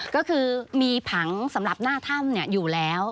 ก็คือมีผังสำหรับหน้าถ้ำอยู่แล้ว